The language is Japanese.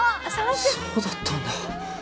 そうだったんだ。